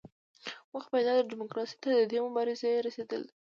موخه پایداره ډیموکراسۍ ته د دې مبارزې رسیدل دي.